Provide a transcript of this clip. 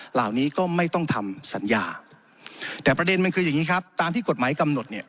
เหล่านี้ก็ไม่ต้องทำสัญญาแต่ประเด็นมันคืออย่างนี้ครับตามที่กฎหมายกำหนดเนี่ย